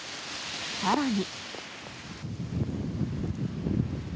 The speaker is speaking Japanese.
さらに。